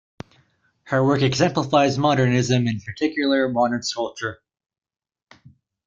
Her work exemplifies Modernism and in particular modern sculpture.